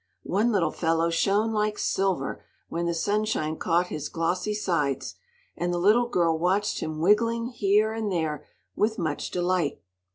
One little fellow shone like silver when the sunshine caught his glossy sides, and the little girl watched him wiggling here and there with much delight.